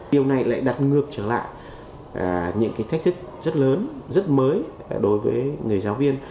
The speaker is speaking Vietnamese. điều này lại đặt ngược trở lại những cái thách thức rất lớn rất mới đối với người giáo viên